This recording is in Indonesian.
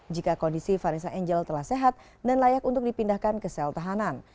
jika kondisi vanessa angel telah sehat dan layak untuk dipindahkan ke sel tahanan